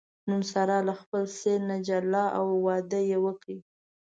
نن ساره له خپل سېل نه جلا او واده یې وکړ.